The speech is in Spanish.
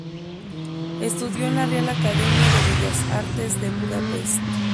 Estudió en la Real Academia de Bellas Artes de Budapest.